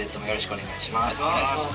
お願いします。